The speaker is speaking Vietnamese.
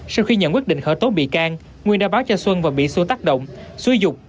sau khi nhận quyết định khởi tố bị can nguyên đã báo cho xuân và bị xua tác động xúi dục